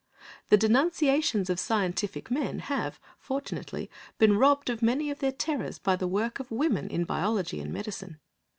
The denunciations of scientific men have, fortunately, been robbed of many of their terrors by the work of women in biology and medicine.